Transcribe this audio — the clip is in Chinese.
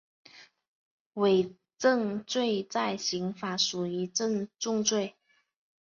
伪证罪在刑法属于重罪。